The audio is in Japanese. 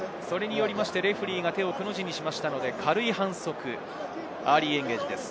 レフェリーが手をくの字にしましたので軽い反則、アーリーエンゲージです。